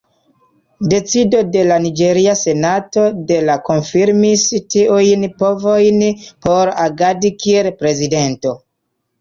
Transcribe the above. Decido de la Niĝeria Senato de la konfirmis tiujn povojn por agadi kiel Prezidento.